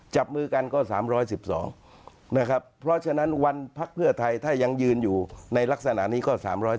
จับมือกันก็๓๑๒นะครับเพราะฉะนั้นวันพักเพื่อไทยถ้ายังยืนอยู่ในลักษณะนี้ก็๓๕